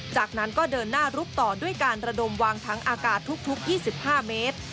จากนั้นก็เดินหน้าลุกต่อด้วยการระดมวางทั้งอากาศทุก๒๕เมตร